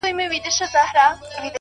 دا زما د کوچنيوالي غزل دی